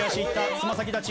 つま先立ち。